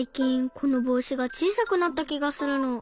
このぼうしがちいさくなったきがするの。